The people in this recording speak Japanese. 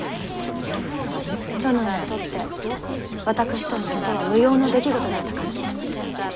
殿にとって私とのことは無用の出来事だったかもしれません。